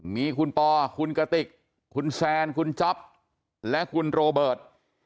มีคุณปอคุณกติกคุณแซนคุณจ๊อปและคุณโรเบิร์ต